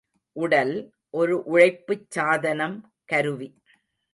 உடல், ஒரு உழைப்புச் சாதனம் கருவி.